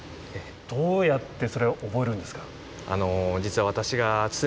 どうやってそれを覚えるんですか？